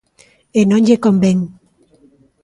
E non lle convén.